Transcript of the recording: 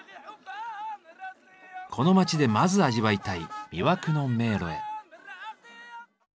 この町でまず味わいたい「魅惑の迷路」へ。